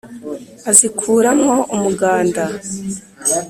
azikura mwo umuganda,